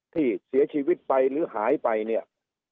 ที่เสียชีวิตไปหรือหายไปเนี่ย